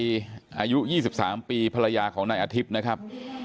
อายุ๒๓ปีภรรยาของนายอาทิตย์นะครับ